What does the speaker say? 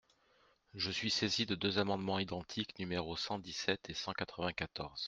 Je suis saisi de deux amendements identiques, numéros cent dix-sept et cent quatre-vingt-quatorze.